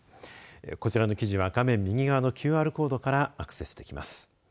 こちらの記事は画面右側のＱＲコードからアクセスできます。